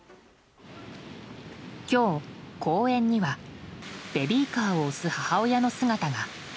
今日、公園にはベビーカーを押す母親の姿が。